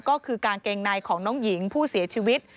ก็คือกางเกงในของน้องหญิงผู้เสียชีวิต